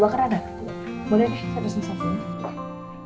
mbak aku selesai